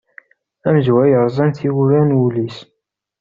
Amezwaru i yerẓan tiwwura n wul-is.